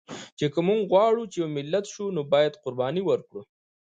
چې که مونږ غواړو چې یو ملت شو، نو باید قرباني ورکړو